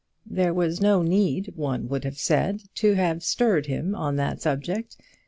There was no need, one would have said, to have stirred him on that subject.